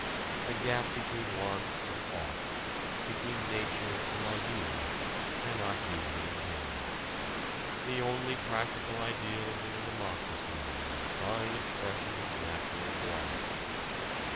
The gap between want and ought, between nature and ideals cannot be maintained. The only practical ideals in a democracy are a fine expression of natural wants.